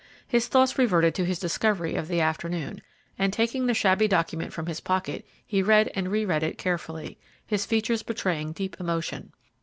His thoughts reverted to his discovery of the afternoon, and, taking the shabby document from his pocket, he read and re read it carefully, his features betraying deep emotion.